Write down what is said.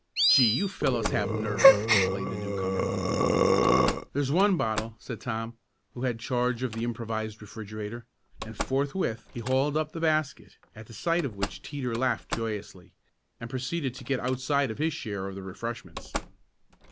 "Gee, you fellows have nerve!" complained the newcomer. "There's one bottle," said Tom, who had charge of the improvised refrigerator, and forthwith he hauled up the basket, at the sight of which Teeter laughed joyously, and proceeded to get outside of his share of the refreshments.